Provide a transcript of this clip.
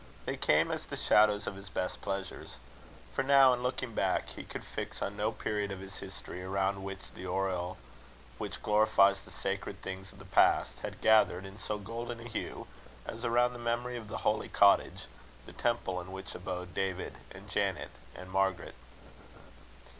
They came as the shadows of his best pleasures. For now, in looking back, he could fix on no period of his history, around which the aureole, which glorifies the sacred things of the past, had gathered in so golden a hue, as around the memory of the holy cottage, the temple in which abode David, and Janet, and Margaret.